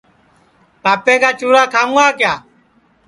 پاپے کا چُرا کھاؤں گا